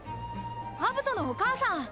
アブトのお母さん。